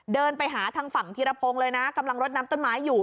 เดินไปหาทางฝั่งธีรพงศ์เลยนะกำลังรดน้ำต้นไม้อยู่